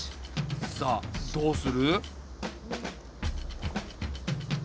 さあどうする？